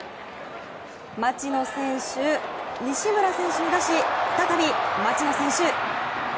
町野選手、西村選手が出し再び町野選手。